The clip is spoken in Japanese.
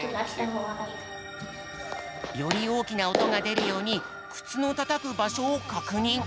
よりおおきなおとがでるようにくつのたたくばしょをかくにん。